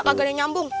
kagak ada yang nyambung